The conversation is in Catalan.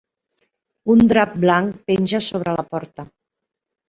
Un drap blanc penja sobre la porta.